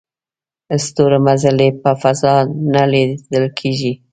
ستورمزلي په فضا ته لیږل کیږي